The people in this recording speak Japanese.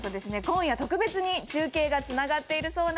今夜特別に中継がつながっているそうなんです。